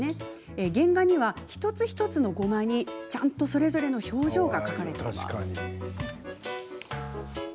原画には、一つ一つのゴマにちゃんとそれぞれの表情が描かれています。